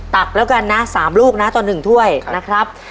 ักแล้วกันนะ๓ลูกนะต่อ๑ถ้วยนะครับ